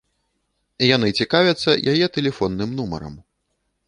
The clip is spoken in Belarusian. Яны цікавяцца яе тэлефонным нумарам.